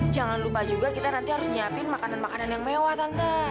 jangan lupa juga kita nanti harus nyiapin makanan makanan yang mewah tante